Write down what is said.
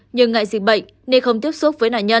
nhưng ngại dịch bệnh nên không tiếp xúc với bệnh nhân thở oxy